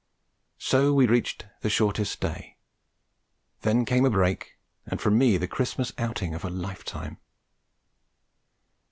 So we reached the shortest day; then came a break, and for me the Christmas outing of a lifetime.